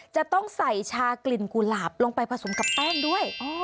จะต้องใส่ชากลิ่นกุหลาบลงไปผสมกับแป้งด้วย